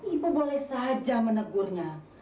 ibu boleh saja menegurnya